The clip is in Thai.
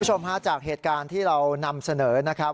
คุณผู้ชมฮะจากเหตุการณ์ที่เรานำเสนอนะครับ